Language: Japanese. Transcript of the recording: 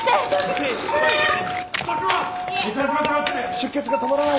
出血が止まらない！